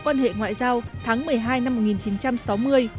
quan hệ ngoại giao tháng một mươi hai năm một nghìn chín trăm sáu mươi